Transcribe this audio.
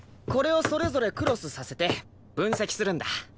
これをそれぞれクロスさせて分析するんだ。